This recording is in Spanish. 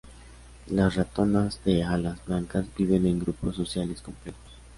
Las ratonas de alas blancas viven en grupos sociales complejos.